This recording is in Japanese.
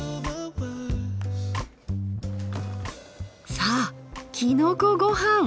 さあきのこごはん！